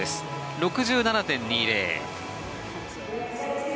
６７．２０。